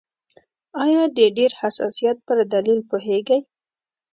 آیا د ډېر حساسیت پر دلیل پوهیږئ؟